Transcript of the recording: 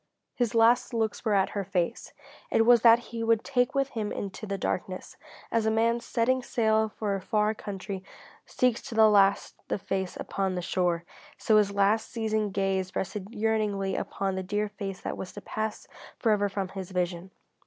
His last looks were at her face. It was that he would take with him into the darkness. As a man setting sail for a far country seeks to the last the face upon the shore, so his last seeing gaze rested yearningly upon the dear face that was to pass forever from his vision.